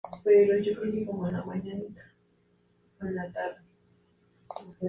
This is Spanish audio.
Fue rodada en la ciudad de Nueva York.